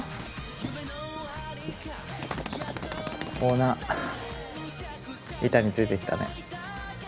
ダダダダッオーナー板についてきたね。